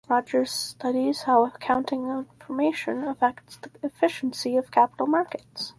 Rogers studies how accounting information affects the efficiency of capital markets.